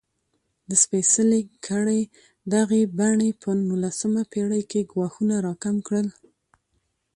د سپېڅلې کړۍ دغې بڼې په نولسمه پېړۍ کې ګواښونه راکم کړل.